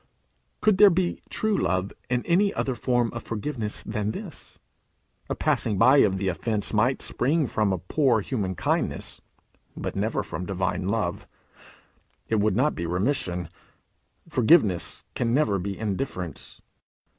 Could there be true love in any other kind of forgiveness than this? A passing by of the offence might spring from a poor human kindness, but never from divine love. It would not be remission. Forgiveness can never be indifference.